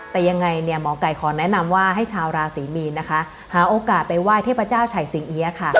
แต่ยังไงหมอไก่ขอแนะนำว่าให้ชาวราศีมีนหาโอกาสไปไหว้เทพเจ้าฉ่ายสิงเอยะ